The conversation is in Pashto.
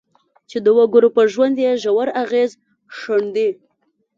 چې د وګړو پر ژوند یې ژور اغېز ښندي.